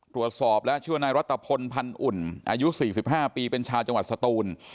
ตรวจสอบแล้วชื่อว่านายรัฐพลพันธ์อุ่นอายุ๔๕ปีเป็นชาวจังหวัดสตูน